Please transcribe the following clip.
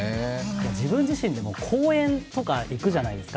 自分自身でも講演とか行くじゃないですか。